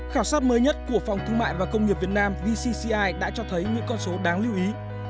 khảo sát mới nhất của phòng thương mại và công nghiệp việt nam vcci đã cho thấy những con số đáng lưu ý